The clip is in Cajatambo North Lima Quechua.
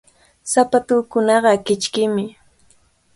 Sapatuukunaqa kichkimi.